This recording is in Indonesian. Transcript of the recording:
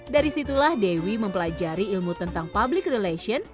dari situlah dewi mempelajari ilmu tentang public relation